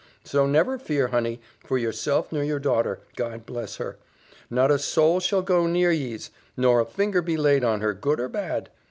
so never fear, honey, for yourself nor your daughter, God bless her! Not a soul shall go near yees, nor a finger be laid on her, good or bad.